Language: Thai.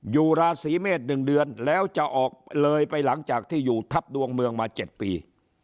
อยู่ราศีเมษ๑เดือนแล้วจะออกเลยไปหลังจากที่อยู่ทัพดวงเมืองมา๗ปี